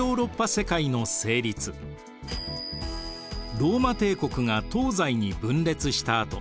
ローマ帝国が東西に分裂したあと